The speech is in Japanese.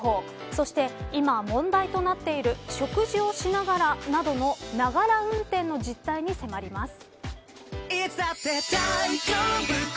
そして今、問題となっている食事をしながら、などのながら運転の実態に迫ります。